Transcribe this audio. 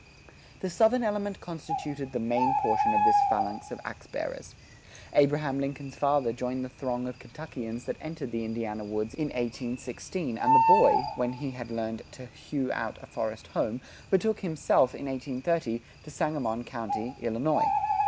The Southern element constituted the main portion of this phalanx of ax bearers. Abraham Lincoln's father joined the throng of Kentuckians that entered the Indiana woods in 1816, and the boy, when he had learned to hew out a forest home, betook himself, in 1830, to Sangamon county, Illinois.